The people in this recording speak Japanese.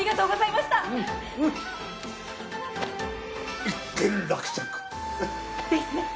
ですね！